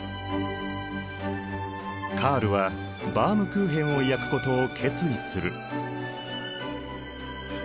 カールはバウムクーヘンを焼くことを決意する。